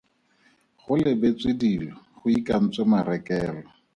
Go lebetswe dilo go ikantswe marekelo.